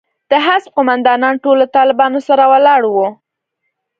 د حزب قومندانان ټول له طالبانو سره ولاړ وو.